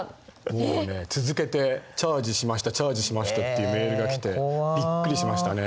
もうね続けて「チャージしました」「チャージしました」っていうメールが来てびっくりしましたね。